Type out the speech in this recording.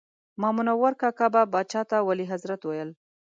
مامنور کاکا به پاچا ته ولي حضرت ویل.